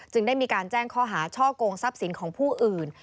ได้มีการแจ้งข้อหาช่อกงทรัพย์สินของผู้อื่น